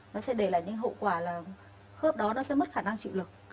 nó sẽ để lại những hậu quả là khớp đó nó sẽ mất khả năng chịu lực